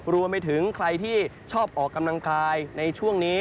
รวมไปถึงใครที่ชอบออกกำลังกายในช่วงนี้